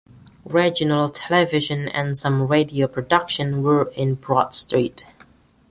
Regional television and some radio production were in Broad Street.